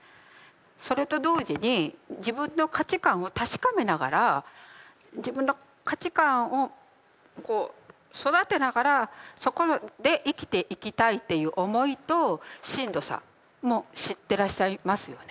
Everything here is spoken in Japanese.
それと同時に自分の価値観を確かめながら自分の価値観をこう育てながらそこで生きていきたいっていう思いとしんどさも知ってらっしゃいますよね。